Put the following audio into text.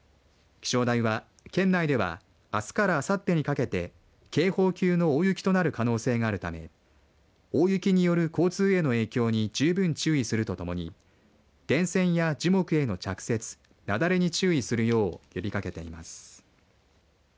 気象台は県内ではあすからあさってにかけて警報級の大雪となる可能性があるため大雪による交通への影響に十分注意するとともに電線や樹木への着雪雪崩に注意するよう呼びかけています。